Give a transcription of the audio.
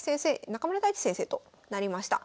中村太地先生となりました。